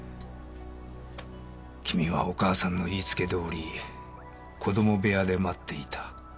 君はお母さんの言いつけどおり子供部屋で待っていた。